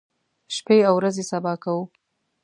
شپې او ورځې سبا کوو.